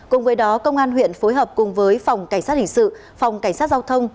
cùng với đó công an huyện phối hợp cùng với phòng cảnh sát hình sự phòng cảnh sát giao thông